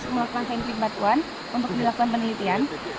melakukan handling batuan untuk dilakukan penelitian